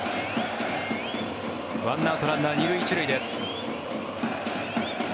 １アウトランナー２塁１塁です。